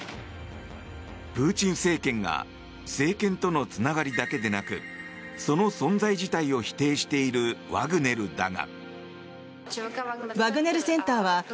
プーチン政権が政権とのつながりだけでなくその存在自体を否定しているワグネルだが。